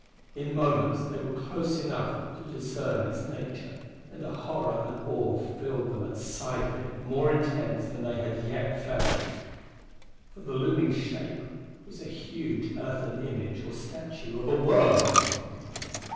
In moments they were close enough to discern its nature, and a horror and awe filled them at sight of it more intense than they had yet felt. For the looming shape was a huge earthen image or statue of a worm!